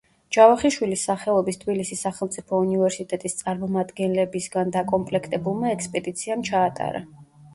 ჯავახიშვილის სახელობის თბილისის სახელმწიფო უნივერსიტეტის წარმომადგენლებისგან დაკომპლექტებულმა ექსპედიციამ ჩაატარა.